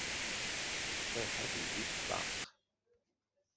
Cabḥa teldi-d ṭṭaq.